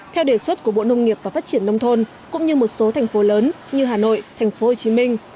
theo đề xuất của bộ nông nghiệp và phát triển nông thôn cũng như một số thành phố lớn như hà nội thành phố hồ chí minh